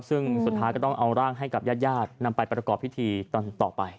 ซึ่งสุดท้ายก็ต้องเอาร่างให้กับญาตินำไปประกอบพิธีต่อไป